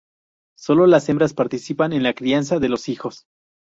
Sólo las hembras participan en la crianza de los hijos.